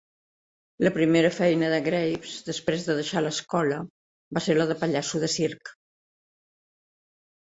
La primera feina de Graves després de deixar l'escola va ser la de pallasso de circ.